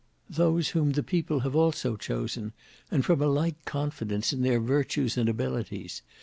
"Those whom the People have also chosen; and from a like confidence in their virtues and abilities.